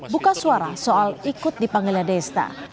buka suara soal ikut dipanggilnya desta